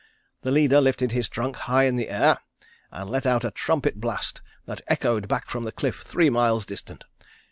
The leader lifted his trunk high in the air, and let out a trumpet blast that echoed back from the cliff three miles distant.